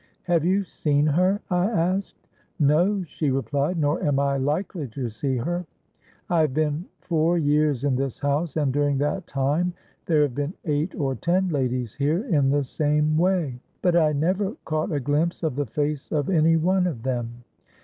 —'Have you seen her?' I asked.—'No,' she replied; 'nor am I likely to see her. I have been four years in this house, and during that time there have been eight or ten ladies here in the same way; but I never caught a glimpse of the face of any one of them.